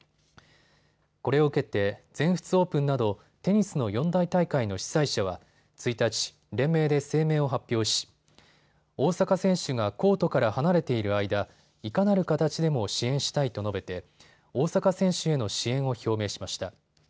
これを受けて全仏オープンなどテニスの四大大会の主催者は１日、連名で声明を発表し大坂選手がコートから離れている間、いかなる形でも支援したいと述べて大坂選手への支援を表明しました。